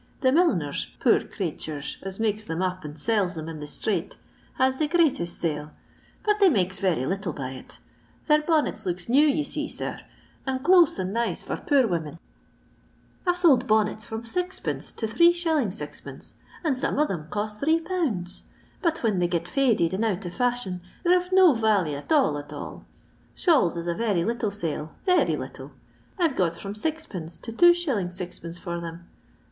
The milliners, poor craitchers, as makes them up and sells them in the strate, has th4 greatest sale, but they makes very little by it Their bonnets looks new, you see, sir, and close and nice for poor women. I *Te sold bonnets from 6d. to 3«. 6d.f and some of them cost ZL But whin they git faded* and out of fashion, they 're of no vally at all at all. Shawls is a very little sale ; very little. I *ve got from 6rf. to 2s. 6rf. for them.